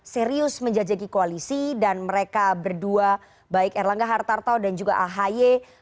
serius menjajaki koalisi dan mereka berdua baik erlangga hartanto dan juga ahaye harus maju untuk